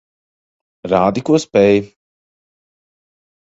Rādi, ko spēj.